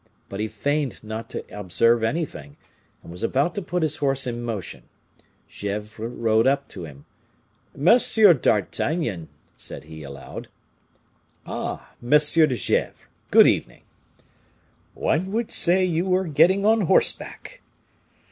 But he feigned not to observe anything, and was about to put his horse in motion. Gesvres rode up to him. "Monsieur d'Artagnan!" said he, aloud. "Ah, Monsieur de Gesvres! good evening!" "One would say you were getting on horseback."